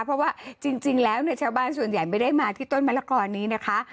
เพราะว่าจริงแล้วเนี่ยชาวบ้านส่วนใหญ่ไม่ได้มาที่ต้นมะละกอนี้นะคะ